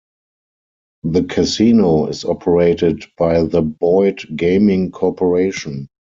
The casino is operated by the Boyd Gaming Corporation.